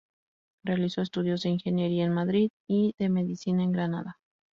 Realizó estudios de ingeniería en Madrid y de Medicina en Granada.